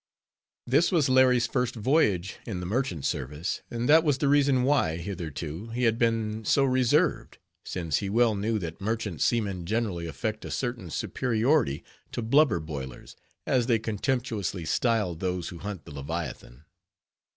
This was Larry's first voyage in the merchant service, and that was the reason why, hitherto, he had been so reserved; since he well knew that merchant seamen generally affect a certain superiority to "blubber boilers," as they contemptuously style those who hunt the leviathan.